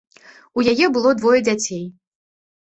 У яе было двое дзяцей.